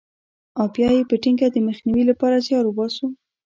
او بیا یې په ټینګه د مخنیوي لپاره زیار وباسو.